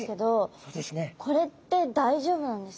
これって大丈夫なんですか？